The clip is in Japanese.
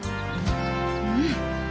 うん！